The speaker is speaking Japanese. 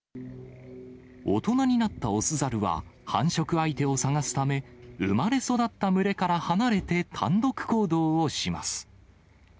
大人になった雄猿は、繁殖相手を探すため、生まれ育った群れから離れて単独行動をします。